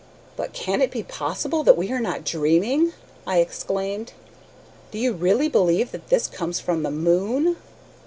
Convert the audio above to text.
"But can it be possible that we are not dreaming?" I exclaimed. "Do you really believe that this comes from the moon?"